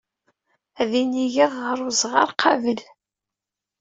Ad inigeɣ ɣer uzɣar qabel.